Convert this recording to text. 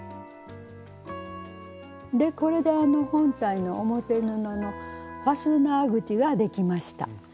でこれで本体の表布のファスナー口ができました。